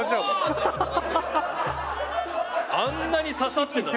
あんなに刺さってた。